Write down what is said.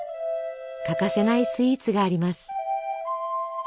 欠かせないスイーツがあります。